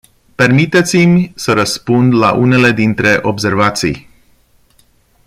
Permiteți-mi să răspund la unele dintre observații.